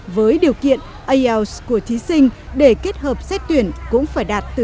với điều kiện ielts của thí sinh để kết hợp xét tuyển cũng phải đạt từ bảy năm trở lên